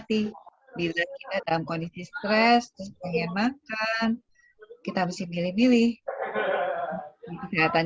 terlalu banyak alat alat yang membuat rasa terseludah saya menggunakan es krim terlalu banyak alat alat yang